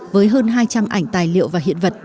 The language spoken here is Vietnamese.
với hơn hai trăm linh ảnh tài liệu và hiện vật